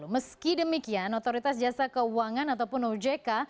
meski demikian otoritas jasa keuangan atau ujk